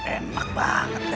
enak banget deh